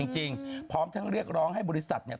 จริงพร้อมทั้งเรียกร้องให้บริษัทเนี่ย